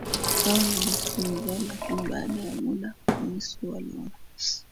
zao na desturi zao Lakini baada ya muda Wamisri waliona